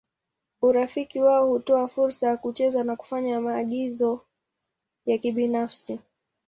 Urafiki wao hutoa fursa ya kucheza na kufanya maagizo ya kibinafsi.